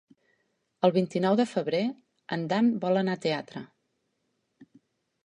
El vint-i-nou de febrer en Dan vol anar al teatre.